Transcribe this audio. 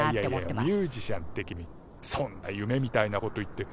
いやいやいやミュージシャンって君そんな夢みたいなこと言って。